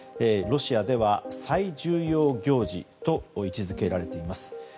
ロシアでは最重要行事と位置付けられています。